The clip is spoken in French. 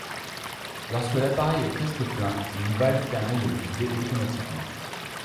Lorsque l’appareil est presque plein, une valve permet de le vider automatiquement.